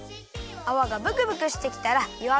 あわがブクブクしてきたらよ